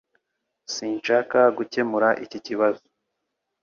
Sinshaka gukemura iki kibazo